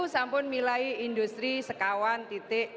sama dengan industri sekarang